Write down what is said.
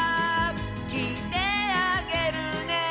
「きいてあげるね」